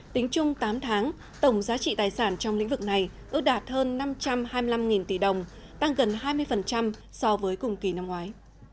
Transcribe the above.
tính chung tám tháng tổng giá trị tài sản trong lĩnh vực này ước đạt hơn năm trăm hai mươi năm tỷ đồng tăng gần hai mươi so với cùng kỳ năm ngoái